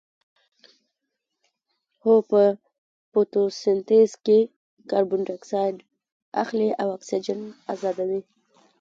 هو په فتوسنتیز کې کاربن ډای اکسایډ اخلي او اکسیجن ازادوي